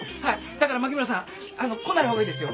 だから牧村さんあの来ない方がいいですよ